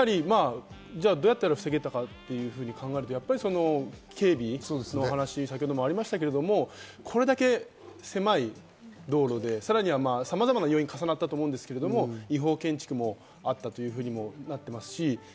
どうやったら防げたかと考えると、警備の話ありましたけれども、これだけ狭い道路で、さらにさまざまな要因が重なったと思いますが、違法建築もあったというふうになっていますし。